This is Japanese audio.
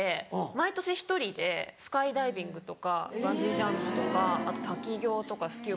毎年１人でスカイダイビングとかバンジージャンプとかあと滝行とかスキューバ。